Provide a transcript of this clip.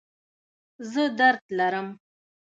زه درد لرم